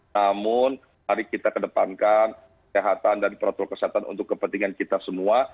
namun mari kita kedepankan kesehatan dan protokol kesehatan untuk kepentingan kita semua